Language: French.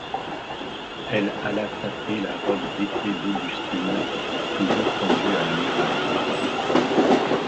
Elle alla tâter la robe d’été d’Augustine, toujours pendue à la muraille.